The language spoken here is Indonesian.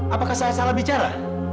apakah saya salah bicara